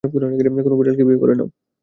কোনো বিড়ালকে বিয়ে করে নাও।